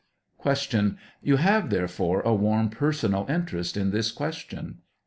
Q. Tou have, therefore, a warm personal interest in this question ?